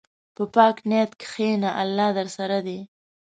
په پاک نیت کښېنه، الله درسره دی.